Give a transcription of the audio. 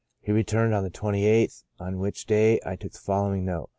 He returned on the 28th, on which day I took the following note.